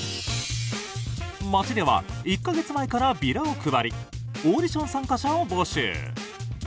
町では１か月前からビラを配りオーディション参加者を募集。